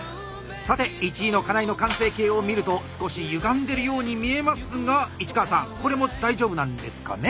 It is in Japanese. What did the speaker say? さて１位の金井の完成形を見ると少しゆがんでるように見えますが市川さんこれも大丈夫なんですかね。